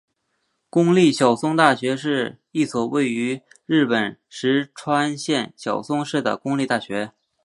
公立小松大学是一所位于日本石川县小松市的公立大学。